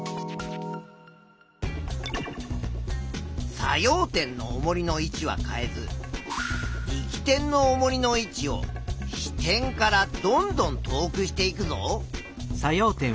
作用点のおもりの位置は変えず力点のおもりの位置を支点からどんどん遠くしていくぞ。